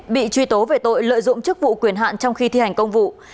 bị truy tố về tội lợi dụng chức vụ quyền hạn trong khi thi hành công vụ